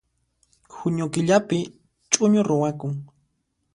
Junio killapi ch'uñu ruwakun